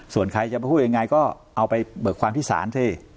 ส่วนใครจะพูดยังไงก็เอาไปเบิกความที่ศาลสิ